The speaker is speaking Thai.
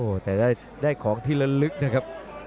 โอ้โหแต่ได้ของที่ละลึกนะครับ